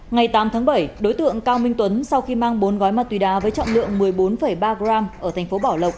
ngày tám tháng bảy đối tượng cao minh tuấn sau khi mang bốn gói ma túy đá với trọng lượng một mươi bốn ba gram ở thành phố bảo lộc